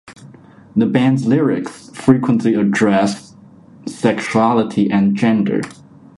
The band's lyrics frequently address sexuality and gender.